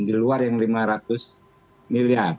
di luar yang lima ratus miliar